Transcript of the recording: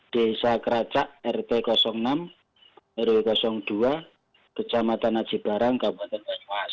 desa keracak rt enam rw dua kecamatan aji barang kabupaten banyumas